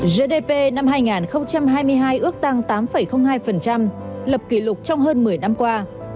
gdp năm hai nghìn hai mươi hai ước tăng tám hai lập kỷ lục trong hơn một mươi năm qua